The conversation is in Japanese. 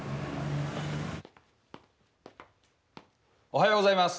おはようございます。